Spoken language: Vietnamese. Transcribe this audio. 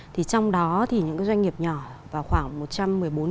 trong đó những doanh nghiệp nhỏ và khoảng năm trăm linh doanh nghiệp vừa và nhỏ